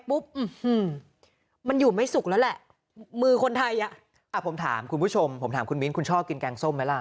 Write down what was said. ผมถามคุณมีนคุณชอบกินแกงส้มไหมล่ะ